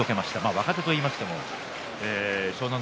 若手といっても湘南乃